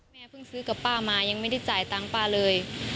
เพิ่งซื้อกับป้ามายังไม่ได้จ่ายตังค์ป้าเลย